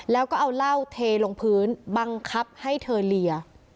แล้วก็เอาเหล้าเทลงพื้นบังคับให้เธอเลีย